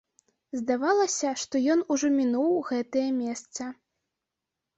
Здавалася, што ён ужо мінуў гэтае месца.